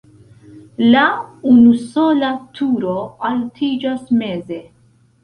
La unusola turo altiĝas meze.